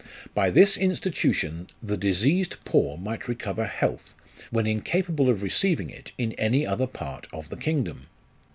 By this institution the diseased poor might recover health, when incapable of receiving it in any other part of the kingdom.